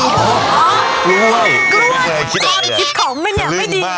อ๋อกล้วยกล้วยความคิดของมันเนี่ยไม่ดีนะ